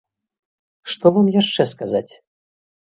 Што вам яшчэ сказаць?